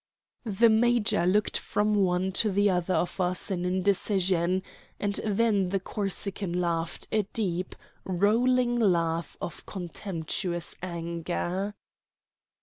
The major looked from one to the other of us in indecision, and then the Corsican laughed a deep, rolling laugh of contemptuous anger.